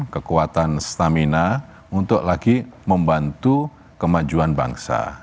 kekuatan stamina untuk lagi membantu kemajuan bangsa